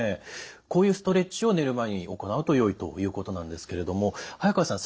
こういうストレッチを寝る前に行うとよいということなんですけれども早川さん